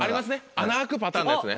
穴開くパターンのやつね。